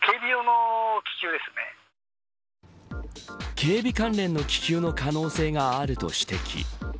警備関連の気球の可能性があると指摘。